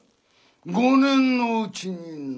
５年のうちにな。